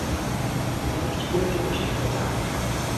তিনি কিছুদিনের জন্য সেখানে যান।